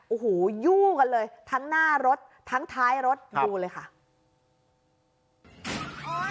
โอ้โหยู่กันเลยทั้งหน้ารถทั้งท้ายรถดูเลยค่ะ